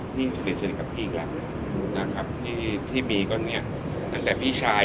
ที่เสียชนิดกับพี่ครับนะครับที่ที่มีก็เนี้ยอันแต่พี่ชาย